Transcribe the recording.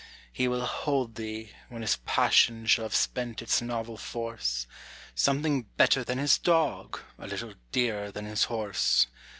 He will hold thee, when his passion shall have spent its novel force, Something better than his dog, a little dearer than his horse.